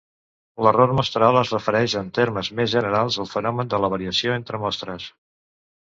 L'error mostral es refereix en termes més generals al fenomen de la variació entre mostres.